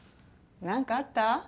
何かあった？